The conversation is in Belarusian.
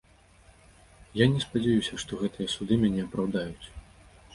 Я не спадзяюся, што гэтыя суды мяне апраўдаюць.